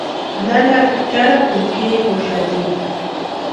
Nanaka charhakuni kʼirhikʼuxati.